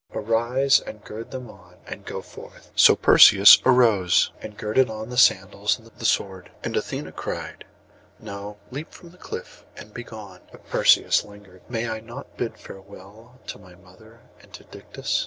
Arise, and gird them on, and go forth.' So Perseus arose, and girded on the sandals and the sword. And Athené cried, 'Now leap from the cliff and be gone.' But Perseus lingered. 'May I not bid farewell to my mother and to Dictys?